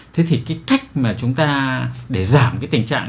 thế thì cái cách mà chúng ta để giảm cái tình trạng